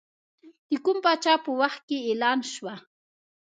د کوم پاچا په وخت کې اعلان شوه.